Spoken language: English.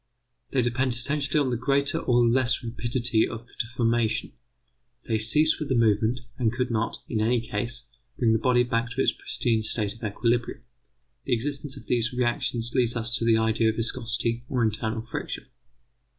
They depend essentially on the greater or less rapidity of the deformation, they cease with the movement, and could not, in any case, bring the body back to its pristine state of equilibrium. The existence of these reactions leads us to the idea of viscosity or internal friction.